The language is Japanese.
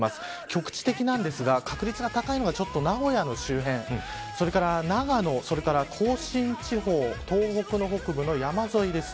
局地的なんですが確率が高いのが名古屋の周辺それから長野、甲信地方東北の北部の山沿いです。